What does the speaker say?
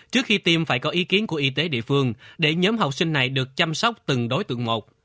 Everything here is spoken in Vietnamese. trước khi tiêm phải có ý kiến của y tế địa phương để nhóm học sinh này được chăm sóc từng đối tượng một